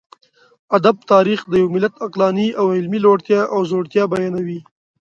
ادب تاريخ د يوه ملت عقلاني او علمي لوړتيا او ځوړتيا بيانوي.